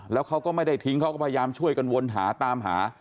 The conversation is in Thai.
แล้วเขาก็ไม่ได้ทิ้งเขาก็พยายามช่วยกันวนหาตามหา